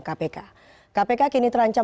kpk kpk kini terancam